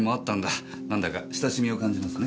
何だか親しみを感じますね。